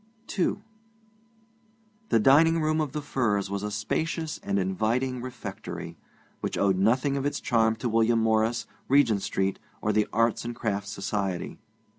II The dining room of The Firs was a spacious and inviting refectory, which owed nothing of its charm to William Morris, Regent Street, or the Arts and Crafts Society.